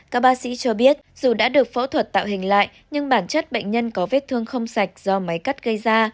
các bác sĩ cho biết dù đã được phẫu thuật tạo hình lại nhưng bản chất bệnh nhân có vết thương không sạch do máy cắt gây ra